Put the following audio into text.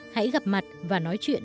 hãy gặp mặt và nói chuyện